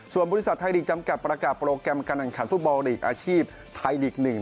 ส่วนบริษัทไทยลีกจำกัดประกาศโปรแกรมการแข่งขันฟุตบอลลีกอาชีพไทยลีก๑